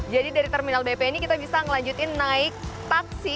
jadi dari terminal bp ini kita bisa melanjutkan naik taksi